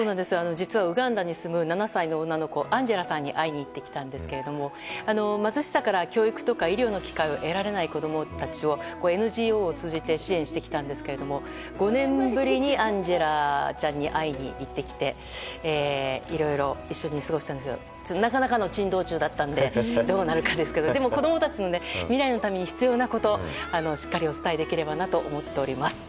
実はウガンダに住む７歳の女の子アンジェラさんに会いに行ってきたんですが貧しさから教育や医療の機会を得られない子供たちを、ＮＧＯを通じて支援してきたんですけども５年ぶりにアンジェラちゃんに会いに行ってきていろいろ一緒に過ごしたんですがなかなかの珍道中だったのでどうなるかですがでも、子供たちの未来のために必要なことをしっかりお伝えできればなと思っております。